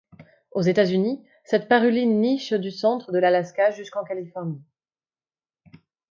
Aux États-Unis, cette paruline niche du centre de l'Alaska jusqu'en Californie.